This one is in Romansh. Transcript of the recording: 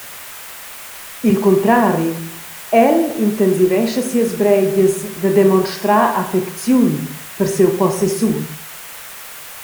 Il cuntrari, el intensivescha sias breigias da demonstrar affecziun per siu possessur.